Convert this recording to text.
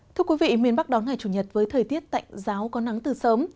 thưa quý vị miền bắc đón ngày chủ nhật với thời tiết tạnh giáo có nắng từ sớm